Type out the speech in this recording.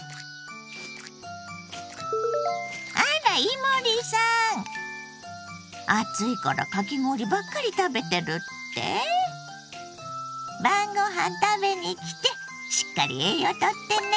あら伊守さん暑いからかき氷ばっかり食べてるって⁉晩ご飯食べに来てしっかり栄養とってね。